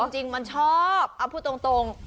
จริงมันชอบเอาพูดตรง